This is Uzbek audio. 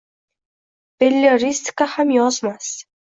Belletristika ham yozmas?